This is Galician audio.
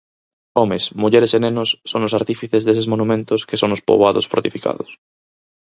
Homes, mulleres e nenos son os artífices deses monumentos que son os poboados fortificados.